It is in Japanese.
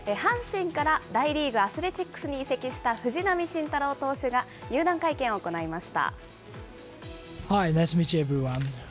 阪神から大リーグ・アスレティックスに移籍した藤浪晋太郎投手が入団会見を行いました。